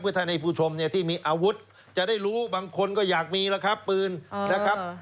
เพื่อท่านให้ผู้ชมเนี่ยที่มีอาวุธจะได้รู้บางคนก็อยากมีแล้วครับปืนนะครับ